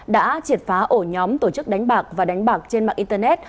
đã triệt phá ổ nhóm tổ chức đánh bạc và đánh bạc trên mạng internet